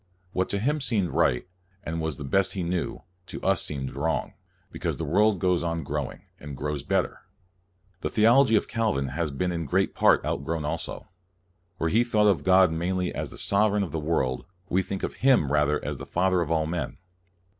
What to him seemed right, and was the best he knew, to us seems wrong; because the world goes on growing, and grows better. The theology of Calvin has been in great part outgrown also. Where he thought of God mainly as the Sovereign of the world, we think of Him rather as the Father of all men.